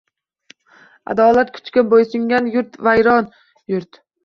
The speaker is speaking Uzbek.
Adolat Kuchga bo’sungan yurt-vayron yurt.